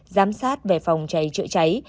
giám sát về phòng cháy trợ cháy